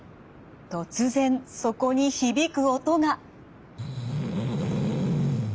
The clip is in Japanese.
突然そこに響く音が。